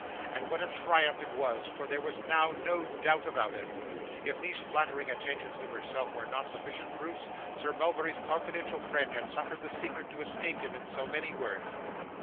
and what a triumph it was, for there was now no doubt about it. If these flattering attentions to herself were not sufficient proofs, Sir Mulberry's confidential friend had suffered the secret to escape him in so many words.